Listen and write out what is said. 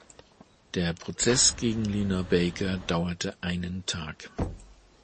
Der Prozess gegen Lena Baker dauerte einen Tag.